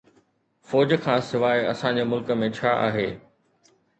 فوج کان سواءِ اسان جي ملڪ ۾ ڇا آهي؟